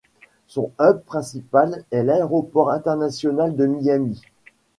Son hub principal est l'aéroport international de Miami.